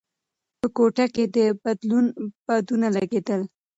په کوټه کې د بدلون بادونه لګېدل.